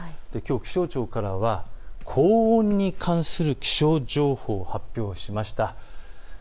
気象庁からは高温に関する気象情報、発表しました。